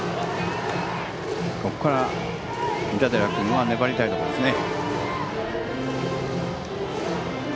ここから三田寺君は粘りたいところですね。